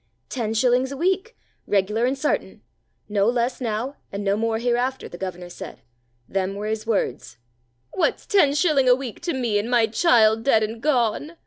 Ten shillings a week—regular and sartin. No less now, and no more hereafter, the governor said. Them were his words." "What's ten shilling a week to me, and my child dead and gone?"